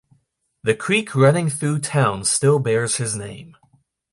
The creek running through town still bears his name.